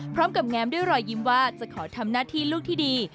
แง้มด้วยรอยยิ้มว่าจะขอทำหน้าที่ลูกที่ดี